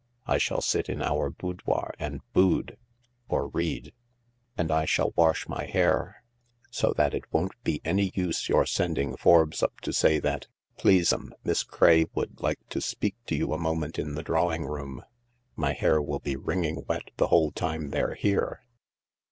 I shall sit in our boudoir and boud— or read. And I shall wash my hair. So that it won't be any use your sending Forbes up to say that, ' Please 'm, Miss Craye would like to speak to you a moment in the drawing room.' My hair will be wringing wet the whole time they're here."